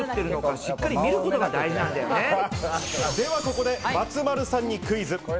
ここで松丸さんにクイズ。